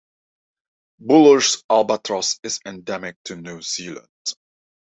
Buller's albatross is endemic to New Zealand.